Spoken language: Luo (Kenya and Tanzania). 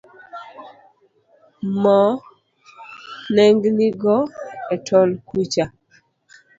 Mo nengni go e tol kucha.